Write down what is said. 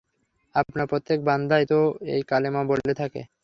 আপনার প্রত্যেক বান্দাই তো এই কলেমা বলে থাকে।